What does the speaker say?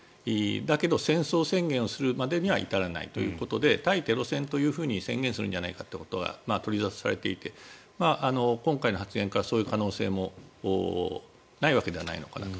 だけど、戦争宣言をするまでには至らないということで対テロ戦と宣言するんじゃないかということは取り沙汰されていて今回の発言からそういう可能性もないわけではないのかなと。